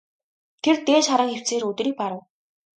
Тэр дээш харан хэвтсээр өдрийг барав.